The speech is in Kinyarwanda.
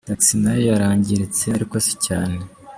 Taxi nayo yarangiritse ariko si cyane.